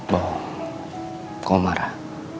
bawah kamu marah